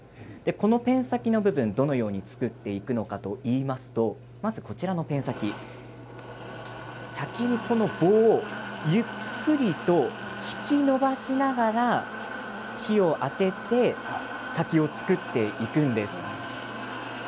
このペン先の部分どのように作っていくのかといいますとまず、こちらのペン先、先にこの棒をゆっくりと引き伸ばしながら火を当てて先を作っていくんです。